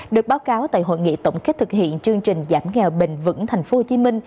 được báo cáo tại hội nghị tổng kết thực hiện chương trình giảm nghèo bình vững tp hcm